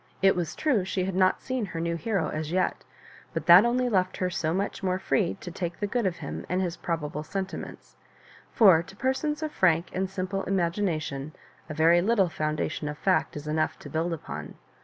It was true she had not seen her new hero as yet, but that only left her so much more free to take the good of him and his probable sentiments ; for to persona of frank and simple imagination a very little foundation of fact is enough to build upon.